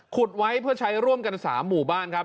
ไว้เพื่อใช้ร่วมกัน๓หมู่บ้านครับ